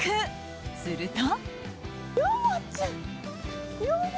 すると。